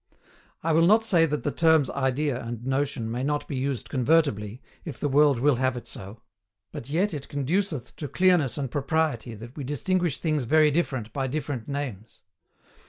I will not say that the terms idea and notion may not be used convertibly, if the world will have it so; but yet it conduceth to clearness and propriety that we distinguish things very different by different names.